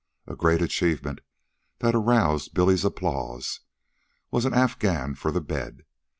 A great achievement, that aroused Billy's applause, was an Afghan for the bed.